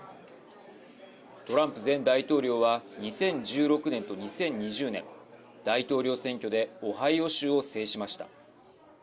トランプ前大統領は２０１６年と２０２０年大統領選挙でオハイオ州を制しました。